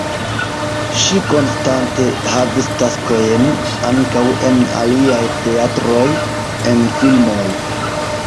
Ŝi konstante havis taskojn ankaŭ en aliaj teatroj, en filmoj.